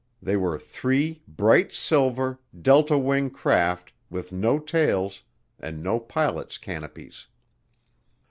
They were three bright silver, delta wing craft with no tails and no pilot's canopies.